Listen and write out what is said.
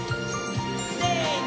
せの！